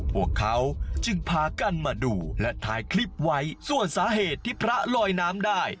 พวกเขาจึงพากันมาดูและถ่ายคลิปไว้ส่วนสาเหตุที่พระลอยน้ำได้